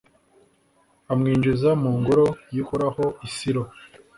amwinjiza mu ngoro y'uhoraho i silo